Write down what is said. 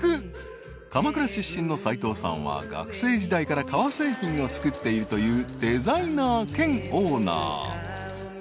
［鎌倉出身の齊藤さんは学生時代から革製品を作っているというデザイナー兼オーナー］